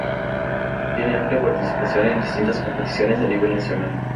Tiene amplia participación en distintas competiciones a nivel nacional.